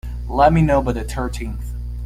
Let me know by the thirteenth.